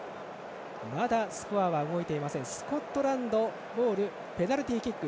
まだスコアは動かずスコットランドボールペナルティーキック。